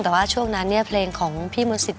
แต่ว่าช่วงนั้นเนี่ยเพลงของพี่มนต์สิทธ